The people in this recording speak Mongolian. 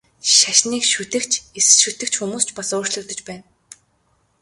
Шашныг шүтэгч, эс шүтэгч хүмүүс ч бас өөрчлөгдөж байна.